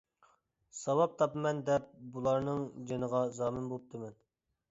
ساۋاب تاپىمەن دەپ بۇلارنىڭ جىنىغا زامىن بوپتىمەن.